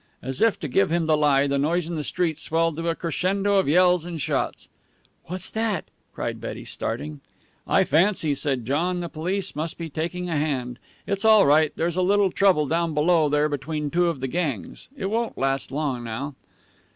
As if to give him the lie, the noise in the street swelled to a crescendo of yells and shots. "What's that?" cried Betty, starting. "I fancy," said John, "the police must be taking a hand. It's all right. There's a little trouble down below there between two of the gangs. It won't last long now."